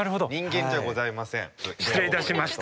失礼いたしました。